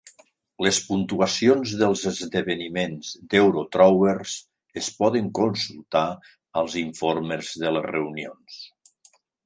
Les puntuacions dels esdeveniments d'Eurothrowers es poden consultar als informes de les reunions.